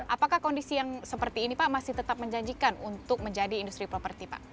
apakah kondisi yang seperti ini pak masih tetap menjanjikan untuk menjadi industri properti pak